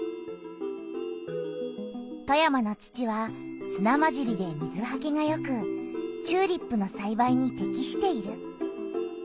富山の土はすなまじりで水はけがよくチューリップのさいばいにてきしている。